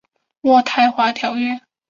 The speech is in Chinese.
渥太华条约。